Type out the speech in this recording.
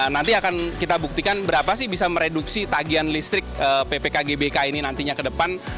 nanti akan kita buktikan berapa sih bisa mereduksi tagihan listrik ppk gbk ini nantinya ke depan